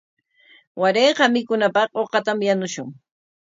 Warayqa mikunapaq uqatam yanushun.